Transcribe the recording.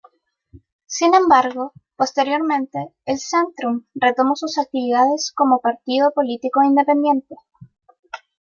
Sin embargo posteriormente el "Zentrum" retomó sus actividades como partido político independiente.